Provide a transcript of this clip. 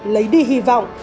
lấy đi hy vọng